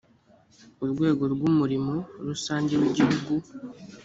urwego rw umurimo rusange w igihugu